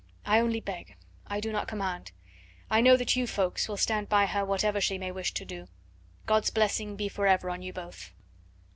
I only beg, I do not command. I know that you, Ffoulkes, will stand by her whatever she may wish to do. God's blessing be for ever on you both.